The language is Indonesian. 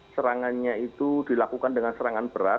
serangannya itu dilakukan dengan serangan berat